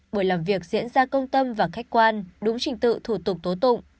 buổi làm việc diễn ra công tâm và khách quan đúng trình tự thủ tục tố tụng